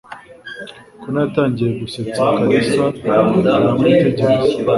Connor yatangiye gusetsa, Kalisa aramwitegereza